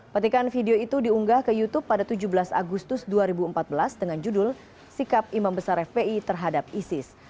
petikan video itu diunggah ke youtube pada tujuh belas agustus dua ribu empat belas dengan judul sikap imam besar fpi terhadap isis